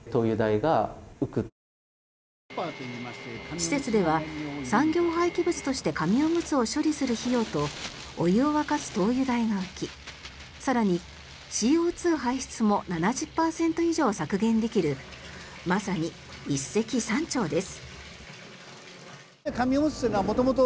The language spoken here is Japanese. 施設では、産業廃棄物として紙おむつを処理する費用とお湯を沸かす灯油代が浮き更に、ＣＯ２排出も７０％以上削減できるまさに一石三鳥です。